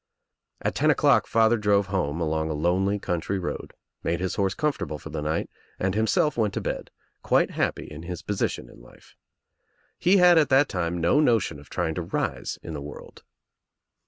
At ten o'clock father drove home along a lonely country road, made his horse comfortable for the night and himself went to bed, quite happy in his position in life. He had at that time no notion of trying to rise in the world.